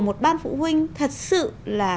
một ban phụ huynh thật sự là